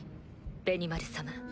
ベニマル様。